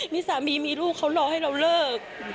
นี่สามีมีลูกเขารอให้เราเลิก